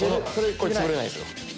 これつぶれないんすよ。